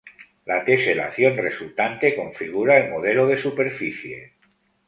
La teselación resultante configura el modelo de superficie.